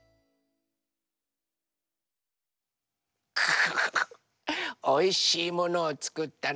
フフフおいしいものをつくったの。